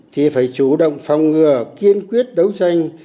thì phải chủ động phòng ngừa kiên quyết đấu tranh